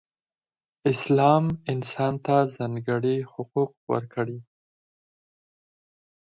اسلام انسان ته ځانګړې حقوق ورکړئ.